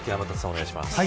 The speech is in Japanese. お願いします。